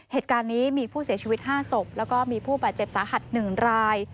เหตุการณ์นี้มีผู้เสียชีวิต๕ศพแล้วก็มีผู้บาดเจ็บสาหัส๑ราย